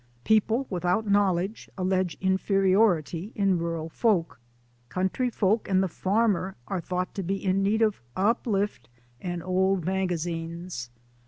People, without knowledge, allege inferiority in rural folk. Coun try folk and the farmer are thought to be in need of uplift and old magazines.